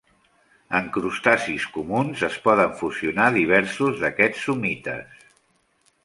En crustacis comuns, es poden fusionar diversos d'aquests somites.